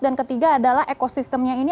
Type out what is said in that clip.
dan ketiga adalah ekosistemnya ini